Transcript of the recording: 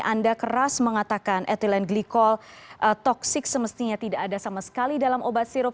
anda keras mengatakan ethylene glycol toksik semestinya tidak ada sama sekali dalam obat sirup